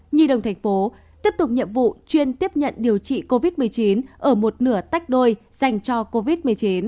nhi đồng thành phố tiếp tục nhiệm vụ chuyên tiếp nhận điều trị covid một mươi chín ở một nửa tách đôi dành cho covid một mươi chín